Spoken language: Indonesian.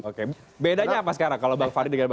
oke bedanya apa sekarang kalau bang fadli dengan bang